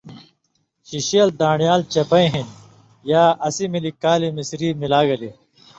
شِشیل دان٘ڑیال چپَیں ہِن یا اسی ملی کالی مصری ملا گلے